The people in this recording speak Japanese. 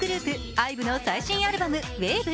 ＩＶＥの最新アルバム「ＷＡＶＥ」。